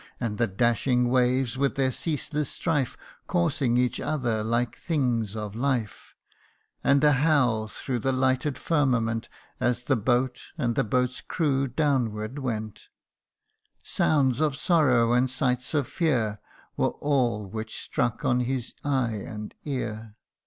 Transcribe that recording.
And the dashing waves, with their ceaseless strife, Coursing each other like things of life And a howl through the lighted firmament, As the boat, and the boat's crew downward went Sounds of sorrow, and sights of fear, Were all which struck on his eye and ear.